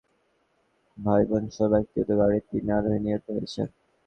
রাজধানীর খিলক্ষেতে পদচারী-সেতুর সামনে বাসের ধাক্কায় ভাইবোনসহ ব্যক্তিগত গাড়ির তিন আরোহী নিহত হয়েছেন।